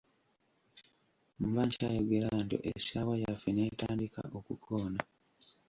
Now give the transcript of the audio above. Mba nkyayogera ntyo essaawa yaffe n'etandika okukoona.